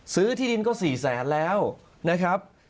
ที่ดินก็๔แสนแล้วนะครับ